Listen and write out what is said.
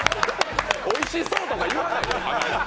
おいしそうとか言わないから、花山。